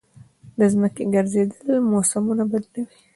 د ځمکې ګرځېدل موسمونه بدلوي.